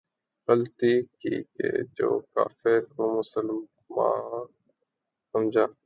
غلطی کی کہ جو کافر کو مسلماں سمجھا